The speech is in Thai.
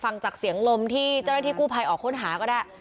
ฟังจากเสียงลมที่เจ้าหน้าที่กู้ภัยออกค้นหาก็ได้